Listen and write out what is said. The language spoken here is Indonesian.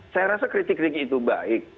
saya rasa kritik kritik itu baik